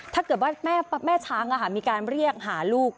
ถ้าเกิดว่าแม่ช้างมีการเรียกหาลูก